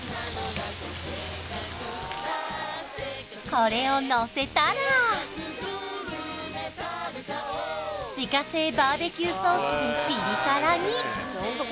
これをのせたら自家製バーベキューソースでピリ辛に！